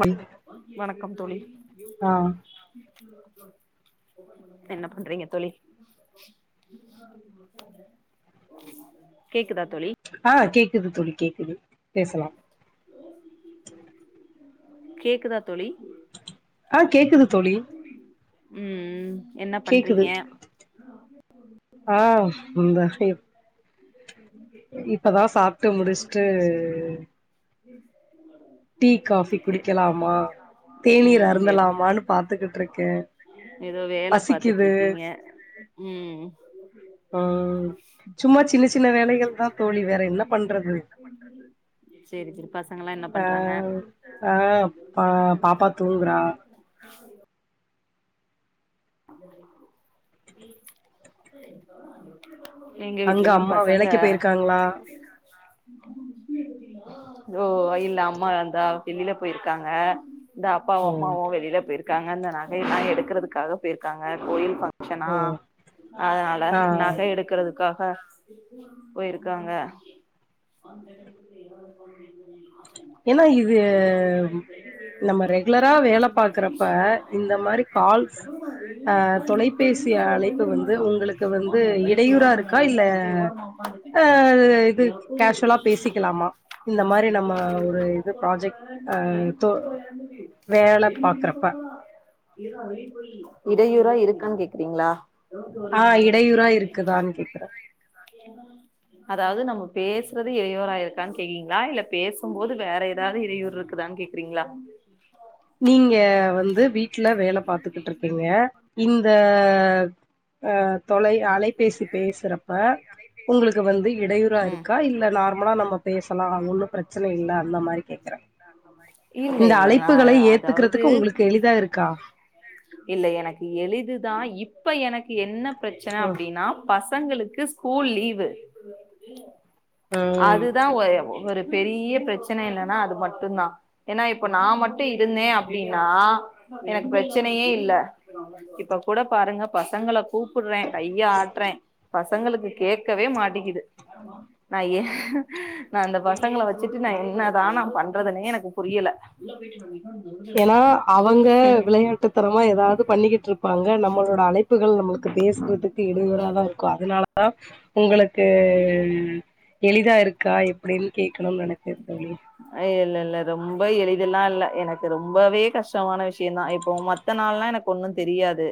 ஆ வணக்கம் தோழி என்ன பண்றீங்க தோழி கேக்குதா தோழி ஆ கேக்குது தோழி கேக்குது பேசலா கேக்குதா தோழி ஆ கேக்குது கேட்குது தோழி தோழிஉம் ம் என்ன கேக்குது பண்றீங்க ஆ இந்த செயோ இப்பதான் சாப்ட்டு முடிச்ட்டு [inaudible] டீ காஃபி எ குடிக்கலாமா தேநீர் ம் எது அருந்தலாமான் பாத்துகிட்டு இருக்கே ஏதோ வேல பாத்துட்டு பசிக்குது இருக்கீங்க ம் ம் சும்மா சின்ன சின்ன வேலைகள் தான் தோழி வேற என்னா பண்றது சேரி கிருப்பாஸ் ஆ ஆ பா பாப்பா தூங்குறா [inaudible] [inaudible] எங்க அங்க வீட்லயு அம்மா வேலைக்கு போயிருக்காங்களா ஓ இல்ல அம்மா வந்தா வெளியல போயிருக்காங்க இந்த ஓ அப்பாவும் அம்மாவும் வெளில போயிருக்காங்க இந்த நகைல்லாம் எடுக்குறதுக்காக போய்ருக்காங்க கோயில் ஃப ங்சனா ஓ அதனால ஆ நகை எடுக்குறதுக்காக போய்ருக்காங்க ஏன்னா இது நம்ம ரெகுலரா வேல பாக்கறப்ப இந்த மாரி கால் [inaudible] அ தொலைபேசி அழைப்பு வந்து உங்களுக்கு வந்து இடையூறா இருக்கா இல்ல ஆ இது கேஷ்வலா பேசிக்கலாமா இந்த மாரி நம்ம ஒ வேல பாக்குறப்ப இடையூற இருக்கான்னு கேக்குறீங்களா ஆ இடையூற இருக்குதான்னு கேக்குறேன் [inaudible] அதாவது நம்ம பேசுறது இடையூரா இருக்கானு கேக்கீங்களா இல்ல பேசும்போது வேற ஏதாவது இடையூர் இருக்குதானு கேக் குறிங்களா நீங்க வந்து வீட்டல வேல பாத்துக்கிட்டு இருக்கீங்க இந்த அ தொலை அலைபேசி பேசுறப்ப உங்களுக்கு வந்து இடையூறா ம் இருக்கா இல்ல நார்மலா நம்ம பேசலாம் ஒன்னும் பிரச்சனை இல்ல அந்த மாரி கேட்கறேன் அந்த மாரி இந்த அழைப்புகளை ஏத்துக்குறதுக்கு உங்களுக்கு எளிதா இருக்கா இல்ல எனக்கு எளிதுதான் இப்ப எனக்கு என்ன பிரச்சனை ஆ அப் நா பசங்களுக்கு ஸ்கூல் லீவு ம் அதுதான் ஒரு ஒரு பெரிய பிரச்சனை என்னனா அது மட்டும் தான் ஏன்னா இப்ப நான் மட்டும் இருந்தேன் அப்டின்னா எனக்கு பிரச்சனையே இல்ல இப்ப கூட பாருங்க பசங்கள கூப்புறேன் கை கைய ஆட்டுறேன் பசங்களுக்கு கேக்கவே மாட்டங்க்குது நான் ஏன் நான் அந்த பசங்கள வச்சுட்டு நான் என்னதான் நான் பண்றதுனே எனக்கு புரியல உள்ள பெய்டிஙா ஏன்னா அவங்க விளையாட்டு தனமா ஏதாவது பண்ணிக்கிட்டு இருப்பாங்க நம்மளோட அழைப் புகள் நம்மளுக்கு பேசுறதுக்கு இடையூரா தான் இருக்கும் அதனால அ உங்களுக்கு எளிதா இருக்கா எப் அப்டின்னு கேட்கணும்னு நினைத்தேன் தோழி இல்ல இல்ல ரொம்ப எளிதல்லாம் இல்ல எனக்கு ரொம்பவே கஷ்டமான விஷயம் தான் இப்போ மத் மத்த நாள்ல்லாம் எனக்கு ஒன்னும் தெரியாது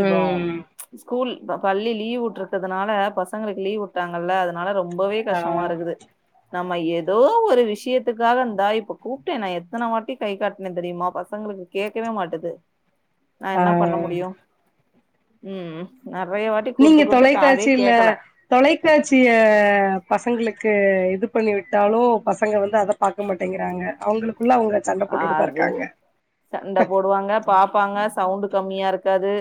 இப்போ ம் ஸ்கூல் பள்ளி லீவ் விட்டுருக்கதுனால பசங்களுக்கு லீவ் விட்டாங்கல்ல அத ஆனா ரொம்பவே ஆ கஷ்டமாருக்குது நம்ம ஏதோ ஒரு விஷயத்துக்காக ந்தா இப்ப கூப்ட்டேனே நா எத்தன வாட்டி கை காட்டினே தெரியுமா பசங்களுக்கு கேக்கவே மாட்டுது நா ஆ என்ன பண்ண முடியு ம் நெறைய வாட்டி நீங்க கூப்ட்டு கூப்ட்டு காதே தொலைக்காட்சியில கேக்கல தொலைக்காட்சிய பசங்களுக்கு இது பண்ணி விட்டாலு பசங்க வந்து அத பாக்க மாட்டேங்கிறாங்க அவூங்களுக்குள்ள அவ்ங்க அது சண்ட போடுவாங்க பாப்பாங்க சவுண்டு் கம்மியா ருகாது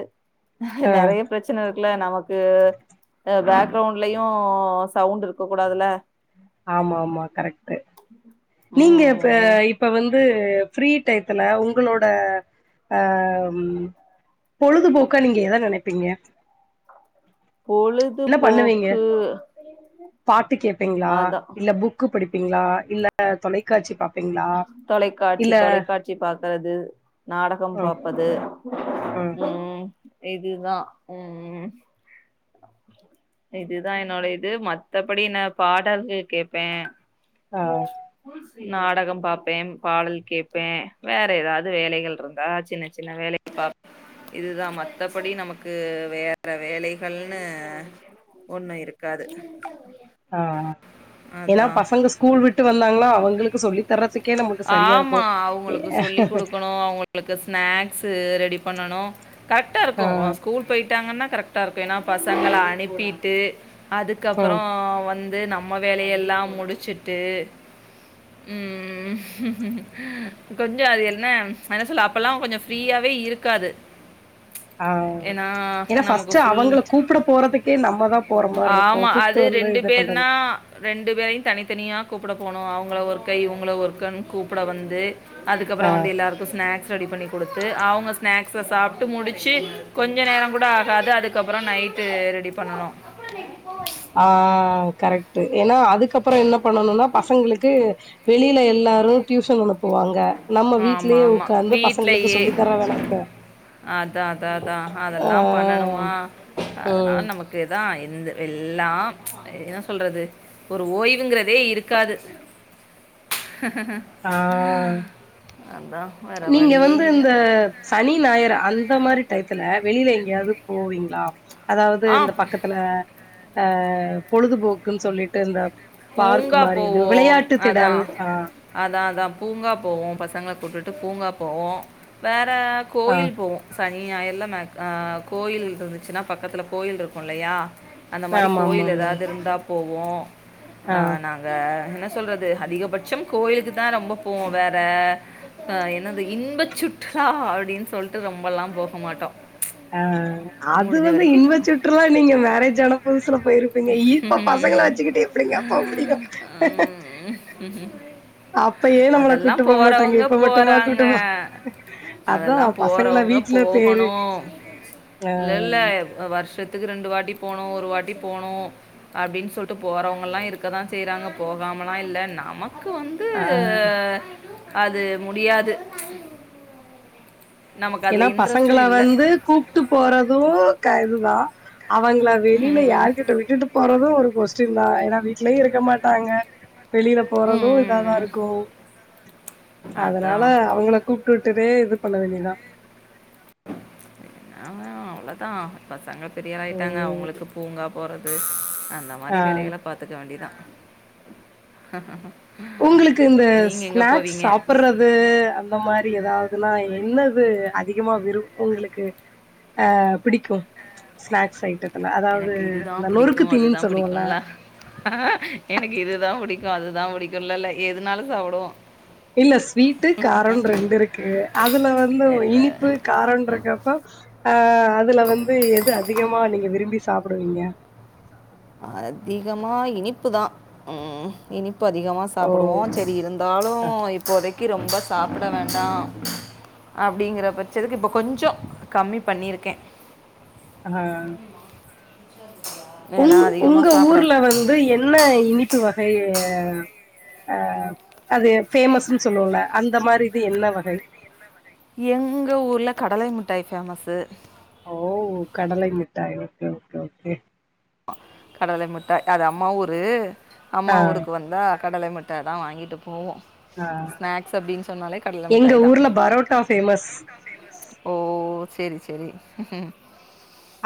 அஹ் ஆ நெறைய ப்ரச்சன இருக்குல்ல நமக்கு பேக்ரவுண்ட்லயு சவுண்ட் இருக்க கூடாதுல ஆமா ஆமா கரெக்ட்டு நீங்க இப்ப ம் இப்ப வந்து ஃப்ரீ டயத்துல உங்களோட ஆ ம் பொழுதுபோக்கா நீங்க எத நெனப்பீங்க பொழுத் என்ன பண்ணுவீங்க பாட்டு கேப்பீங்ளா அதா இல்ல புக்கு படிப்பீங்ளா இல்ல அ தொலைக்காட்சி பாப்பீங்களா தொலைகாட்சி இல்ல தொலைகாட்சி பாக்குறது நாடகம் ம் பாப்பது ம் உம் இதுதா உம் இதுதான் என்னோட இது மத்தபடி நா பாடல்கள் கேப்பே ஆ நாடகம் பாப்பேன் பாடல் கேப்பே வேற ஏதாவது வேலைகள் ளுருந்தா சின்ன சின்ன வேலைகள் பா இதுதா மத்தபடி நமக்கு வேற வேலைகள்னு ஒண்ணு இருக்காது ஆ ஏன்னா அதா பசங்க ஸ்கூல் விட்டு வந்தாங்னா அவ‌ங்களுக்கு சொல்லி தர்றதுக்கே நமக்கு சரியா ஆமா இருக்கு அவங்களுக்கு சொல்லி் குடுக்கணு அவ்ங்க உங்களுக்கு ஸ்நாக்சு ரெடி பண்ணனு ஆ கரெக்டாருக்கும் அ ஸ்கூல் போயிட்டாங்கன்னா கரெக் ட்டாருக்கு ஏன்னா பசங்கள அனுப்பிட்டு அதுக்கப்பறோ ம் வந் து நம்ம வேலையெல்லா முடிச்சுட்டு ம் ம் கொஞ்சோ அது என்ன என்ன சொல்ல அப்பல்லா கொஞ்சோ ஃப்ரீயாவே இருக்காது [inaudible] ஆ ஏன்னா, ஏன்னா நமக்கு ஃபர்ஸ்டு ஃபுல் அவங்கள கூப்பிட போறதுக்கே நம்ம தா போற மார்ருக்கு ஆமா கூப்ட்டு அது வந்து ரெண்டு இது பண்றது பேர்னா ரெண்டு பேரையு தனித்தனியா கூப்புட போணும் அவங்கள ஒர்கை இவங்கள ஒர்கன்னு கூப்புட வந்து அதுக்கப்றோ ஆ வந்து எல்லாருக்கு ஸ்நாக்ஸ் ரெடி பண்ணி குடுத்து அவ்ங்க ஸ்நாக்ஸ்அ சாப்ட்டு முடிச்சு கொஞ்சொ நேரங்கூட ஆகாது அதுக்கப்றோ நைட்டு ரெடி பண்ணனு ஆ கரெக்ட்டு ஏன்னா அதுக்கப்றோ என்ன பண்ணனுனா பசங்களுக்கு வெளில எல்லாரு டியூஷனுக் போவாங்க நம்ம ஆமா வீட்லயே ஆமா உட்காந்து பசங்களுக்கு சொல்லி தர வேணாங்க அதாதா தா அதெல்லா பண்ணனு மா அதனால ம். நமக் க்குதான் இந்த எல்லா என்ன சொல்றது ஒரு ஓய்வுங்கறதே இருக்காது ஆ அந்தான் நீங்க வந்து ந்த சனி ஞாயிறா அந்த மாரி டயத்துல வெளியில எங்கேயாவது போவீங்ளா அதாவது ஆ இந்த பக்கத்துல அ பொழுதுபோக்குன்னு சொல்லிட்டு இந்த பார்க் பூங்கா மாரி இது விளையாட்டு திடல் ஆ அதாதா பூங்கா போவோ பசங்கள கூட்டுட்டு பூங்கா போவோ வேற ஆ கோயில் போவோ சனி ஞாயர்ல மேக் அ கோயில் இருந்துச்சுன்னா பக்கத்துல கோயில் இருக்குல்லையா அந்த மாரி கோயில் ஆமாமாமா. ஏதாவது இருந்தா போவோ ஆ நாங்க என்ன சொல்றது அதிகபட்சம் கோயிலுக்குதா ரொம்ப போவோ வேற அ என்னது இன்பச் சுற்றுலா அப்டின்னு சொல்ட்டு ரொம்பல்லா போக மாட்டோ அ அது வந்து இன்பச் சுற்றுலா நீங்க மேரேஜ் ஆன புதுசுல போயிர் பீங்க இப்ப பசங்கள வச்சுக்கிட்டு எப்பிடிங்க போ முடியு [inaudible] நம்மள அதெல்லா கூட்டு போ மாட்டாங்க. போறவங்க இப்ப மட்டுமா போறாங்க கூட்டு போ அதான் அதெல்லா பசங்கள போறவுங்க வீட்ல தேறு போகணு அ இல்லல்ல வருஷத்துக்கு ரெண்டு வாட்டி போணு ஒரு வாட்டி போணு அப்டின்னு சொல்ட்டு போறவங்கலா இருக்க தா செய்றாங்க போகாமலா இல்ல நாம க்கு வந்து ஆ அது முடியாது நமக்கு ஏன்னா அதில் பசங்கள இன்ட்ரெஸ்ட்டும் இல்லை வந்து கூப் ட்டு போறது கரெக்ட்தா அவங்கள வெளியில ம் யாருகிட்ட விட்டுட்டு போறது ஒரு கொஸ் டின்தா ஏனா வீட்லயு இருக்க மாட்டாங்க வெளியில போறது இதா தா ம் இருக்கு அதனால அதான் அவங்களு கூப்டுட்டது இது பண்ண வேண்டியதுதா நாம அவளத் அ பசங்க பெரியாளாயிட்டாங்க ம். அவுங்களுக்கு பூங்கா போறது அந்த மாரி ஆ. வேலைகள பாத் துக்க வேண்டியதுதா உங்களுக்கு இந்த ஸ்நாக்ஸ் சாப்புர்றது அந்த மாரி ஏதாவதுன்னா என்னது அதிகமா விருப்பு உங்களுக்கு ஆ பிடிக்கு ஸ்நாக்ஸ் ஐட்டத் அதாவது எனக்கு அந்த இதுதான் நொறுக்கு பிடிக்கும் தீணின்னு அதுதான் சொல்லுவோல்ல பிடிக்கும்ல எனக்கு இதுதா புடிக்கு அதுதா புடிக்குல்லல்ல எதுனாலு சாப்டுவோ இல்ல ஸ்வீட்டு காரோன்னு ரெண்டுருக்கு அதுல வந்து இல்லை இனிப்பு காரோன்றங்கப்ப ஆ அதுல வந்து எது அதிகமா நீங்க விரும்பி சாப்டுவீங்க அதிகமா இனிப்புதா ம் இனிப்பு அதிகமா ஓ சாப்டுவோ சேரி இருந்தாலு அ இப்போதைக் கீ ரொம்ப சாப்புட வேண்டா அப்டிங்கிற பட்சத்துக்கு இப்போ கொஞ்சோ கம்மி பண்ணிருக்கே அ உங் ஏன்னா உங்க அதிகமாக ஊர்ல சாப்பிட வந்து என்ன இனிப்பு வகையி அ அது பேமஸ்ன்னு சொல்லுவோல்ல அந்த மாரி இது என்ன வகை எங்க ஊருல கடலை மிட்டாய் ஃபேமஸ்சு ஓ கடலை மிட்டாய் ஓகே ஓகே ஓகே கடலை மிட்டாய் அது அம்மா ஊரு ஆ அம்மா ஊருக்கு வந்தா கடலை மிட்டாய் மிட்டா தா வாங்கிட்டு போவோ ஆ எங்க மிட்டாய் தான் ஊர்ல பரோட்டா ஃபேமஸ் ஓ சேரி சேரி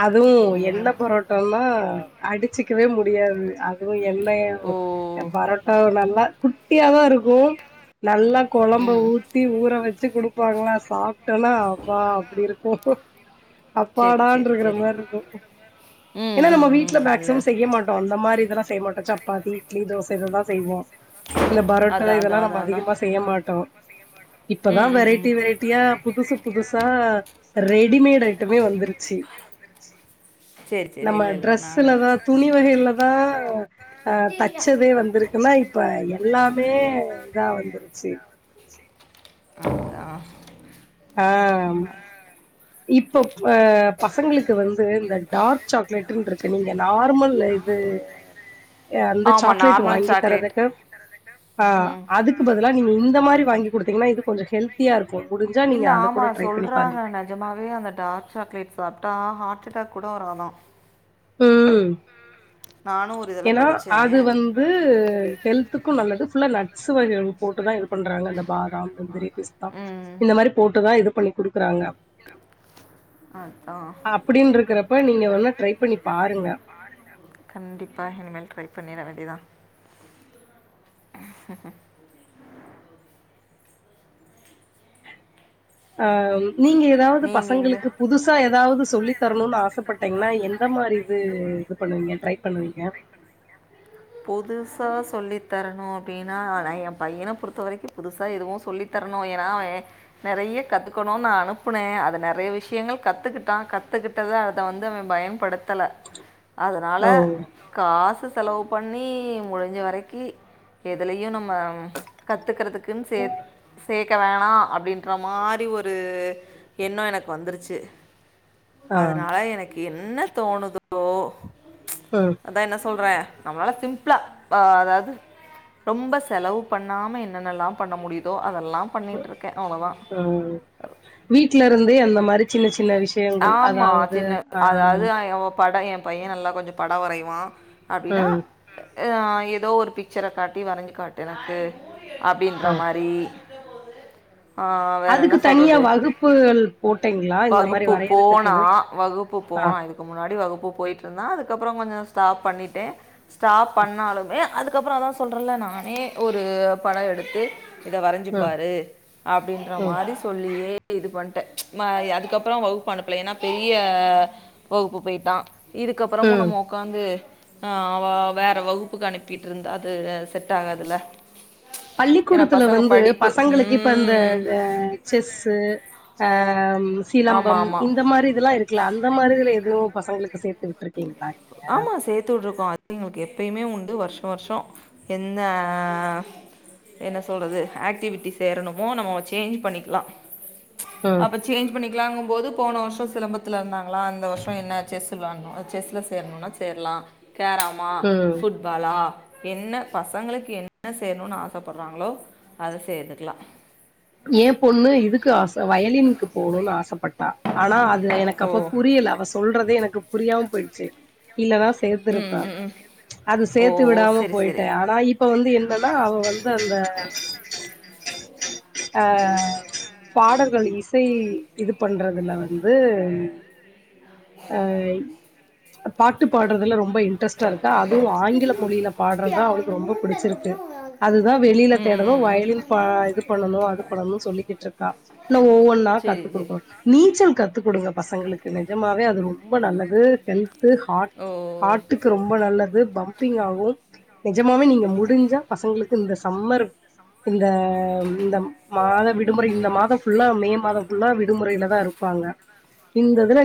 அது என்ன புரோட்டானா அடிச்சுக்கவே முடியாது அ து ஓ எண்ணெய்யு பரோட்டாவு நல்லா குட்டியாதா இருக்கு நல்லா கொழம்ப ம் ஊத்தி ஊற வெச்சு குடுப்பாங்களா சாப் ட்டனா அப்பா அப்டி இருக்கு சரி அப்பாடான் சரி ங்கற சரி மாரி இருக்கு ம் ஏனா நம்ம ம் வீட்ல ம் இல்லை மேக்ஸிமம் செய் ய்யமாட்டோ அந்த மாரி இதெல்லா செய்யமாட்டோ சப்பாத்தி இட்லி தோச இததா செய்வோ இந்த பரோட்டா அதான் இதெல்லா அதான் நம்ம அதான் அதான் அதிகமா செய்ய மாட்டோ இப்பதா ம் ம் ம் வெரைட்டி வெரை ட்டியா புதுசு புதுசா ரெடிமேட் ஐட்டமே வந்துருச்சு சரி சரி நம்ம இல்லை இல்லை நாங்கள் ட்ரெஸ்லதா துணி வகையில தா அ தச்சதே வந்திருக்குனா இப்ப எல்லாமே இதா வந்துருச்சு [inaudible] ஆ ஆ இப்ப அ பசங்களுக்கு வந்து இந்த டார்க் சாக்லேட்டுன்ருக்கு நீங்க நார்மல் இது இப்ப ஏ அந்த சாக்லேட் வாங்கி தரதுக்கு ஆ ம் அதுக்கு பதிலா நீங்க இந்த மாரி வாங்கி குடுத்தீங்கன்னா இது கொஞ்ச ஹெல்த் தியா இருக்கு முடுஞ்சா நீங்க இல்ல அத ஆமா கூட ட்ரை பண்ணி பாருங்க சொல்றாங்க நிஜமாவே அந்த டார்க் சாக்லேட் சாப்ட்டா ஹார்ட் அட்டாக் கூட வராதா ம் ம் நானு ஒரு இதுல படிச்சே ந்து ஹெல்த்துக்கு நல்லது ஃபுல்லா நட்ஸ் வகை போட்டு தா இது பண்றாங்க அந்த பாதாம் முந்திரி பிஸ்தா ம் இந்த மாரி போட்டுதா இது பண்ணி குடுக்குறாங்க அதான் அப்டின்ட்ருக்கிறப்ப நீங்க வேணா ட்ரை பண்ணி பாருங்க கண்டிப்பா இனிமேல் ட்ரை பண்ணிற வேண்டிதா அ நீங்க எதாவ்து நீங்கள் எங்கே பசங்களுக்கு புதுசா எதாவ்து சொல்லி தரணுனு ஆசப்பட் டைங்னா எந்த மாரி இது இது பண்ணுவீங்க டரை பண்ணுவீங்க புதுசா சொல்லி தரணு அப்டின்னா நா எ பைய்யன பொறுத்த வரைக்கு புதுசாக எதுவு சொல்லி தரணு ஏனா அவே நெறைய கத்துக்கணுனு நா அனுப்புனே அத நெறைய விஷயங்கள் கத்துக்கிட்டா கத்துக்கிட்டத அத வந்து அவே பயன்படுத்தல அதனால ஓ காசு செலவு பண்ணி முடிஞ்ச வரைக்கு எதுலயையு நம்ம கத்துக்கிறதுக்குன்னு சே சேக்க வேணா அப்டின்ற மா ரி ஒரு எண்ணோ எனக்கு வந்துருச்சு ஆ அதனால எனக் கு என்ன தோணுதோ ம் அதா என்ன சொல்றே நம்மளால சிம்பிளா ப அதாவ்து ரொம்ப செலவு பண்ணாம என்னென்னல்லா பண்ண முடியுதோ அதெல்லா பண்ணிட்ருக்கே அவ்ளோதா ம் வீட்ல இருந்தே அந்த மாதிரி சின்ன சின்ன விஷயங்கள் அதாவ்து அ அதாவ்து இவ பட எ பைய்யே நல்லா கொஞ்ச பட வரைவா அப்டின்னா ம் ஆ எதோ ஒரு பிச்சர காட்டி வரைஞ்சு காட்டு எனக்கு அப்டின்ற ம் மாரி ஆ வேற என்ன அதுக்கு தனியா சொல்றது வகுப்புகள் போட்டீங்களா இந்த மாரி வகுப்பு போனா வரையறதுக்குது வகுப்பு ஆ போனா இ துக்கு முன்னாடி வகுப்பு போயிட்ருந்தா அதுக்கப்பறோ கொஞ்சோ ஸ்டாப் பண்ணிடே ஸ்டாப் பண்ணாலுமே அதுக்கப்பற அதா சொல்றேல நானே ஒரு பட எடுத்து இத ம் வரைஞ்சிப்பாரு அப்டின்ற ம் மாரி சொல்லியே இது பண்ட்டே நா அதுக்கப்பறோ வகுப்பனுப்ல ஏனா பெரிய வகுப்பு போயிட்டா இதுக்கப்பறமு ம் நம்மோ உக்காந்து ஆ அவா வேற வகுப்புக்கு அனுப்பிட்டு இருந்தா அது செட் ஆகாதுல பள்ளிக்கூடத்துல வந்து பசங்களுக்கு இப்ப இந்த ம் த செஸ்ஸு ஆம் ஆமாம் சிலம்பம் ஆமாம் இந்த மாரி இதுல்லா இருக் குல அந்த மாரிதுல எதுவு பசங்களுக்கு சேத்து விட்டுருக்கீங்ளா ஆமா சேத்து வுட்டுருக்கோ அது எங்களுக்கு எப்பயுமே உண்டு வருஷ வருஷோ என்ன என்ன சொல்றது ஆக்டிவிட்டி சேரணுமோ நம்ம சேஞ்ச் பண்ணிக்லா ம் அப்ப சேஞ்ச் பண்ணிக்கலாங்கம்போது போன வருஷோ சிலம்பத்துல இருந்தாங்களா இந்த வருஷோ என்ன செஸ் விளாட்ணு அது செஸ்ல சேரணும்னா சேரலா கேராம்மா ம் ஃபுட் பாலா என்ன பசங்களுக் என்ன சேரணுன் ஆசப்படுறாங்களோ அத சேத்துக்கலா ஏ பொண்ணு இதுக்கு ஆச வயலினுக்கு போகணுன்னு ஆசைப்பட்டா ஆனா அது எனக்கு ஓ அப்ப புரியல அவ சொ சொல்றதே எனக்கு புரியாம போயிடுச்சு இல்லன்னா ம் சேத்திருப்பே ம் ம். அது ஓ சேத்து ஓ விடாம சரி சரி போயிட்டே ஆனா இப் ப வந்து என்னன்னா அவ வந்து அந்த ஆ பாடல்கள் இசை இது பண்றதுல வந்து அய் பாட்டு பாடுறதுல ரொம் ப இன்ட்ரெஸ்ட்டா இருக்கா அதுவு ஆங்கில மொழியில பாடுறதா இது அவளுக்கு ரொம்ப மூணுனதுக்கு புடிச்சிருக்கு அப்புறம் அதுதா வெளியில ம் ம், தேடணு ம் ம். வயலின் அது ப இது பண்ணணு அது பண்ணணுன் சொல்லிக்கிட்டுருக்கா ல்ல ஒவ்வொன்னா சரி கத்து சரி குடுக்கனு நீச்சல் கத்து குடுங்க பசங்களுக்கு நெஜமாவே அது ரொம்ப நல்லது ஹெல்து ஹார்ட் ஓ ஹாட்டுக் கு ரொம்ப நல்லது பம்பிங் ஆகும் நெஜமாவே நீங்க முடிஞ்சா பசங்களுக்கு இந்த சம்மர் இந்த இந்த மாத விடுமுறை இந்த மாதம் ஃபுல்லா மே மாதம் ஃபுல்லா விடுமுறையிலதா இருப்பாங்க இந்ததுல